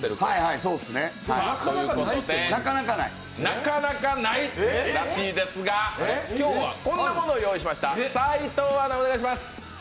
なかなかないらしいですが今日はこんなものを用意しました。